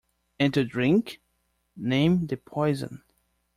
And to drink? Name the poison.